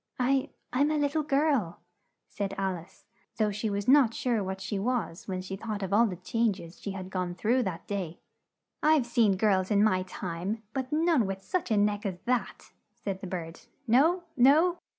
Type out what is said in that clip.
"I I'm a lit tle girl," said Al ice, though she was not sure what she was when she thought of all the chang es she had gone through that day. "I've seen girls in my time, but none with such a neck as that!" said the bird. "No! no!